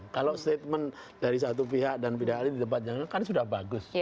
kalau statement dari satu pihak dan pihak ahli di tempat yang lain kan sudah bagus